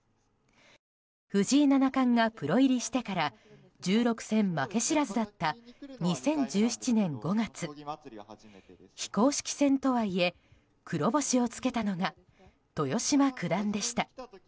藤井七冠がプロ入りしてから１６戦負け知らずだった２０１７年５月非公式戦とはいえ黒星をつけたのが豊島九段でした。